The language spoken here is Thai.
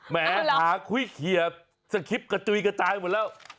แหมผาคุยเกียจกระจุยกระจายหมดแล้ว